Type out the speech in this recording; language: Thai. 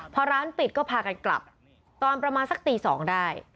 พอร้านปิดก็พากันกลับตอนประมาณสักตี๒ได้